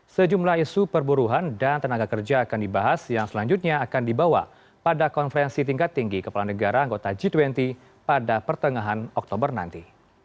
sejumlah isu perburuhan dan tenaga kerja akan dibahas yang selanjutnya akan dibawa pada konferensi tingkat tinggi kepala negara anggota g dua puluh pada pertengahan oktober nanti